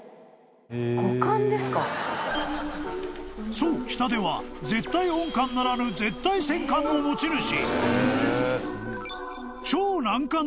［そう北出は絶対音感ならぬ絶対泉感の持ち主］